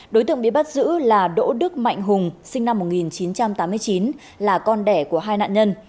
đối tượng bị bắt giữ là đỗ đức mạnh hùng sinh năm một nghìn chín trăm tám mươi chín là con đẻ của hai nạn nhân